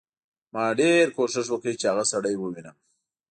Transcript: ما ډېر کوښښ وکړ چې هغه سړی ووینم